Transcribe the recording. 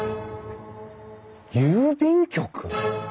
郵便局！？